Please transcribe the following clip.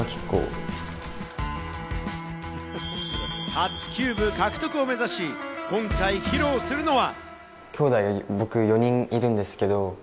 初キューブ獲得を目指し、今回披露するのは。